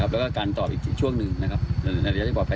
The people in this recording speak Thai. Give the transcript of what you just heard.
แล้วก็กันต่ออีกช่วงหนึ่งระยะปล่อยที่อยากขยับได้